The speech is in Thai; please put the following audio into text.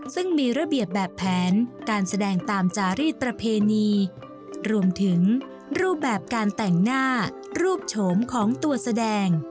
ซึ่งมีระเบียบแบบแผนการแสดงตามจารีสประเพณีรวมถึงรูปแบบการแต่งหน้ารูปโฉมของตัวแสดง